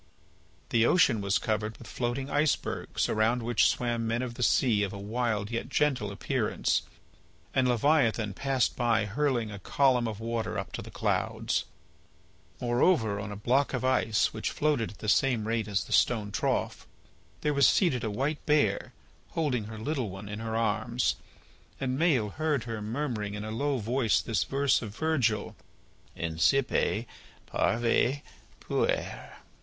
The ocean was covered with floating ice bergs around which swam men of the sea of a wild yet gentle appearance. And Leviathan passed by hurling a column of water up to the clouds. Moreover, on a block of ice which floated at the same rate as the stone trough there was seated a white bear holding her little one in her arms, and Maël heard her murmuring in a low voice this verse of Virgil, Incipe parve puer.